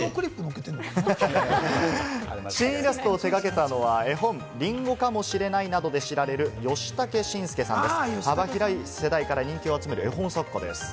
新イラストを手がけたのは、絵本『りんごかもしれない』などで知られるヨシタケシンスケさんです。